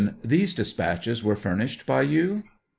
These despatches were furnished by you